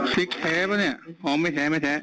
พริกแท้ป่ะเนี่ยหอมไม่แท้ไม่แท้